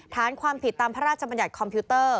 ฐานความผิดตามพระราชบัญญัติคอมพิวเตอร์